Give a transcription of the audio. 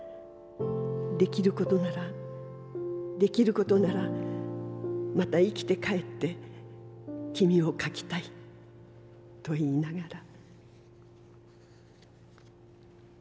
出来ることなら出来ることならまた生きて還ってキミを描きたいといいながら」。